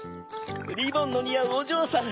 リボンのにあうおじょうさん